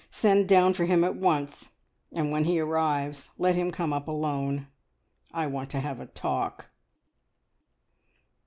Send down for him at once, and when he arrives, let him come up alone. I want to have a talk!"